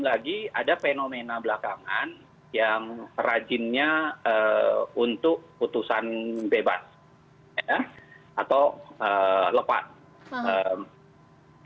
lagi ada fenomena belakangan yang rajinnya untuk putusan bebas ya atau lepas